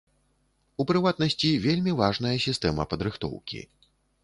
У прыватнасці, вельмі важная сістэма падрыхтоўкі.